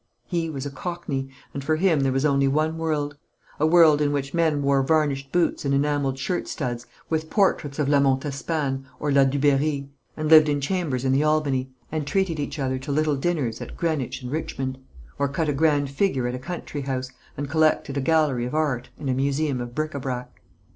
He was a Cockney, and for him there was only one world a world in which men wore varnished boots and enamelled shirt studs with portraits of La Montespan or La Dubarry, and lived in chambers in the Albany, and treated each other to little dinners at Greenwich and Richmond, or cut a grand figure at a country house, and collected a gallery of art and a museum of bric à brac.